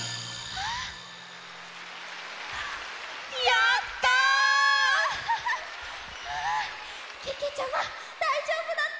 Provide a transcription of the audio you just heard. やった！はあけけちゃまだいじょうぶだった？